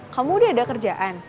kamu udah ada kerjaan